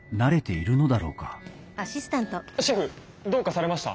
シェフどうかされました？